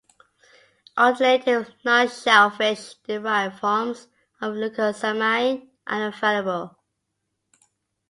Alternative, non-shellfish-derived forms of glucosamine are available.